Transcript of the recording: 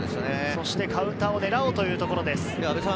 カウンターを狙おうというところです。